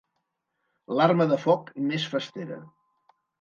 L'arma de foc més festera.